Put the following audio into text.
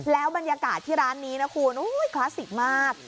แล้วบรรยากาศที่ร้านนี้นะคุณคลาสสิกมาก